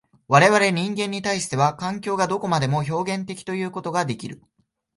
我々人間に対しては、環境がどこまでも表現的ということができる。